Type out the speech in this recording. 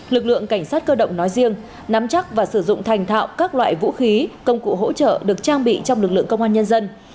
lực lượng cảnh sát cơ động nói riêng nắm chắc và sử dụng thành thạo các loại vũ khí công cụ hỗ trợ được trang bị trong lực lượng công an nhân dân